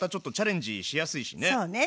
そうね。